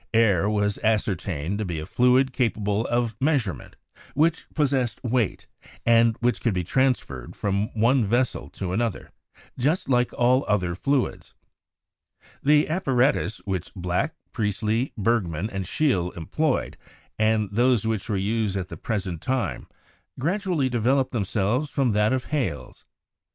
Air was ascertained to be a fluid capable of measurement, which possessed weight, and which could be transferred from one vessel to another, just like all other fluids. The apparatus which Black, Priestley, Bergman, and Scheele employed, and those which we use at the present time, gradually developed themselves from that of Hales.